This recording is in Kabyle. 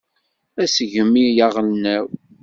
Asegmi aɣelnaw.